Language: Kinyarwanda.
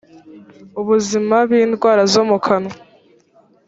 ubuzima bindwara zo mukanwa